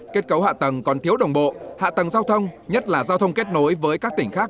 kết cấu hạ tầng còn thiếu đồng bộ hạ tầng giao thông nhất là giao thông kết nối với các tỉnh khác